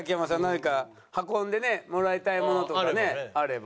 何か運んでもらいたいものとかねあれば。